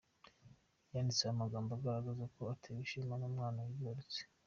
Yanditseho amagambo agaragaza ko atewe ishema n’umwana yibarutse.